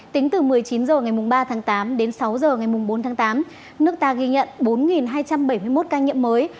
tính từ một mươi chín h ngày ba tháng tám đến sáu h ngày bốn tháng tám nước ta ghi nhận bốn hai trăm bảy mươi một ca nhiễm mới